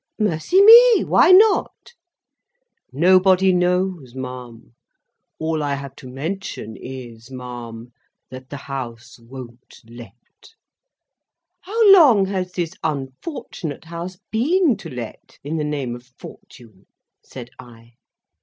"Mercy me! Why not?" "Nobody knows, ma'am. All I have to mention is, ma'am, that the House won't let!" "How long has this unfortunate House been to let, in the name of Fortune?" said I.